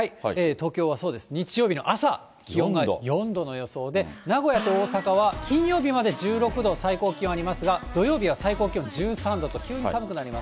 東京はそうです、日曜日の朝、気温が４度の予想で、名古屋と大阪は金曜日まで１６度、最高気温ありますが、土曜日は最高気温１３度と、急に寒くなります。